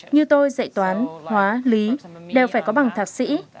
như tôi dạy toán hóa lý đều phải có bằng thạc sĩ